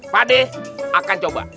pak de akan coba